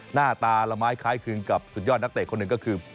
หน้าตาละไม้คล้ายคลึงกับสุดยอดนักเตะคนหนึ่งก็คือ